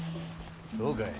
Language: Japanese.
そうかい。